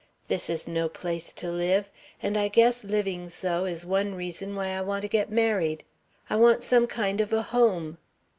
This is no place to live. And I guess living so is one reason why I want to get married. I want some kind of a home."